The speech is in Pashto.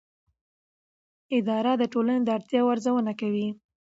اداره د ټولنې د اړتیاوو ارزونه کوي.